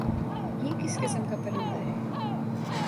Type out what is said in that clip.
یہ کس قِسم کا پرندہ ہے؟